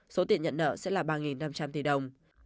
số tiền nhận nợ sẽ là ba năm trăm linh tỷ đồng